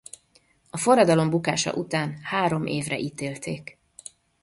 A forradalom bukása után három évre ítélték.